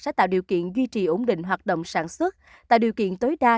sẽ tạo điều kiện duy trì ổn định hoạt động sản xuất tạo điều kiện tối đa